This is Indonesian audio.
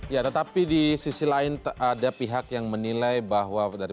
ya tetapi di sisi lain ada pihak yang menilai bahwa dari